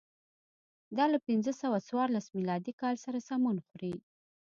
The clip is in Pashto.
دا له پنځه سوه څوارلس میلادي کال سره سمون خوري.